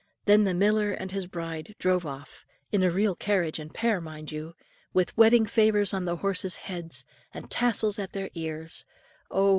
Then the miller and his bride drove off, in a real carriage and pair, mind you; with wedding favours on the horses' heads, and tassels at their ears, oh!